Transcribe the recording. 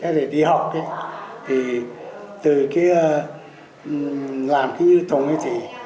thế thì đi học thì từ cái làm cái thông ấy thì